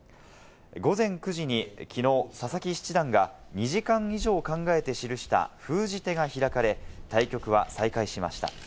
午前９時にきのう、佐々木七段が２時間以上を考えて記した封じ手が開かれ、対局は再開しました。